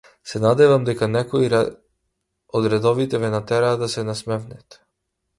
Се надевам дека некои од редовите ве натера да се насмевнете.